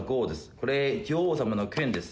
これ女王様の剣です。